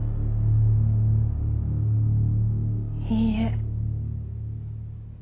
いいえ。